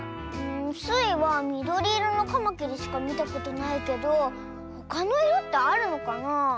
スイはみどりいろのカマキリしかみたことないけどほかのいろってあるのかなあ。